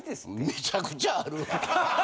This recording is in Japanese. めちゃくちゃあるわ。